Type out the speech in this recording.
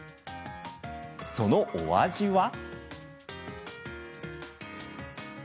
そのお味は？